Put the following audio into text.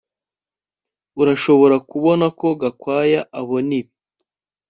Urashobora kubona ko Gakwaya abona ibi